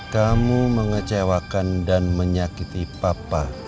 kamu mengecewakan dan menyakiti papa